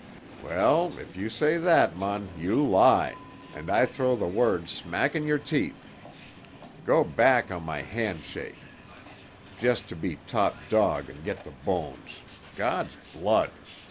Well, if you say that, mon, you lie, and I throw the word smack in your teeth. Go back on my hand shake, just to be top dog and get the bones! God's blood!